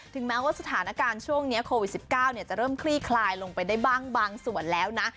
แม้ว่าสถานการณ์ช่วงนี้โควิด๑๙จะเริ่มคลี่คลายลงไปได้บ้างบางส่วนแล้วนะ